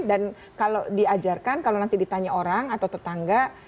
dan diajarkan kalau nanti ditanya orang atau tetangga